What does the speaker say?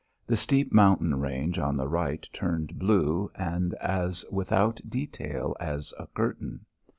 The steep mountain range on the right turned blue and as without detail as a curtain.